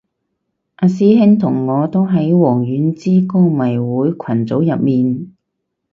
阿師兄同我都喺王菀之歌迷會群組入面